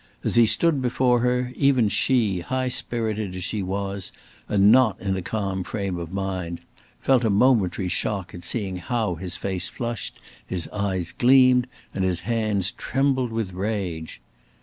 As he stood before her, even she, high spirited as she was, and not in a calm frame of mind, felt a momentary shock at seeing how his face flushed, his eyes gleamed, and his hands trembled with rage.